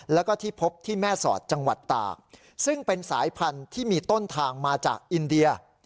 แล้วก็ที่พบที่แม่สอดจังหวัดตากซึ่งเป็นสายพันธุ์ที่มีต้นทางมาจากอินเดีย